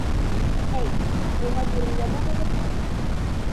Әйт, уға бирергә булдығыҙмы?